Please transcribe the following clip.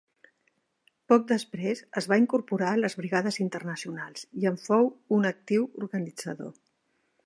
Poc després es va incorporar a les Brigades Internacionals i en fou un actiu organitzador.